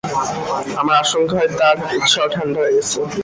আমার আশঙ্কা হয়, তার উৎসাহ ঠাণ্ডা হয়ে গেছে।